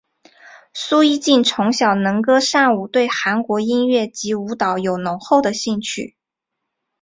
苏一晋从小能歌善舞对韩国音乐及舞蹈有浓厚的兴趣。